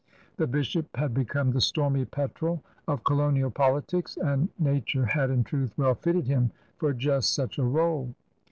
The bishop had become the stormy petrel of colonial politics, and nature had in truth well fitted him for just such a rdle.